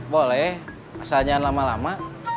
boleh asal jangan lama lama